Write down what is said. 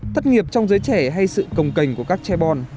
thất nghiệp trong giới trẻ hay sự cồng cành của các che bon